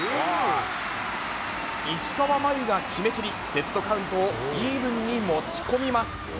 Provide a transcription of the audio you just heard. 石川真佑が決め切り、セットカウントをイーブンに持ち込みます。